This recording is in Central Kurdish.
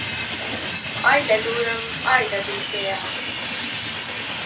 ئای لە دوورم ئای لە دوور دێیا